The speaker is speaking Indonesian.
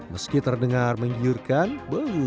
meski terdengar menggiurkan belum